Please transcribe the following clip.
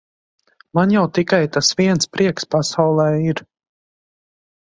Man jau tik tas viens prieks pasaulē ir.